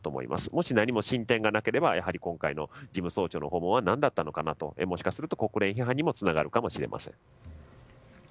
もし何も進展がなければ今回の事務総長の訪問は何だったのかなともしかしたら国連批判にもつながるかもしれません。